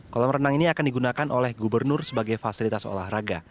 kolam renang ini akan digunakan oleh gubernur sebagai fasilitas olahraga